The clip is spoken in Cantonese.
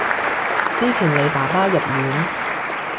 之前你爸爸入院